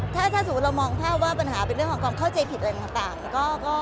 ถ้าสมมุติเรามองภาพว่าปัญหาเป็นเรื่องของความเข้าใจผิดอะไรต่าง